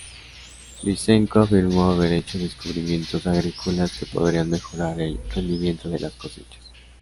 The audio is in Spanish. Lysenko afirmó haber hecho descubrimientos agrícolas que podrían mejorar el rendimiento de las cosechas.